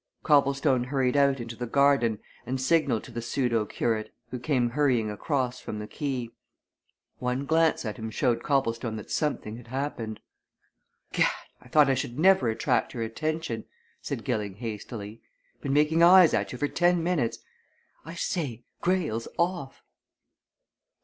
Copplestone hurried out into the garden and signalled to the pseudo curate, who came hurrying across from the quay. One glance at him showed Copplestone that something had happened. "Gad! I thought I should never attract your attention!" said Gilling hastily. "Been making eyes at you for ten minutes. I say Greyle's off!"